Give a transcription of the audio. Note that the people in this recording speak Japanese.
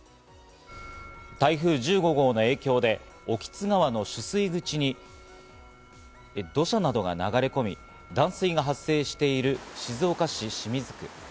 台風１５号の影響で興津川の取水口に土砂などが流れ込み、断水が発生している、静岡市清水区。